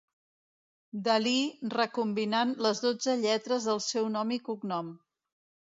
Dalí recombinant les dotze lletres del seu nom i cognom.